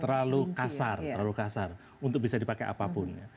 terlalu kasar terlalu kasar untuk bisa dipakai apapun